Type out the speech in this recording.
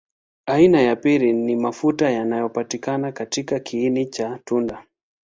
Aina ya pili ni mafuta yanapatikana katika kiini cha tunda.